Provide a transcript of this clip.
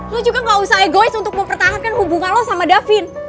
lo juga gak usah egois untuk mempertahankan hubungan lo sama davin